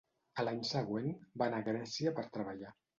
A l'any següent, va anar a Grècia per treballar.